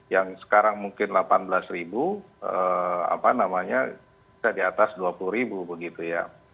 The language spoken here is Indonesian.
yang sekarang mungkin rp delapan belas bisa diatas rp dua puluh begitu ya